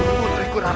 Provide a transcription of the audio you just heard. jangan kutip thumbs up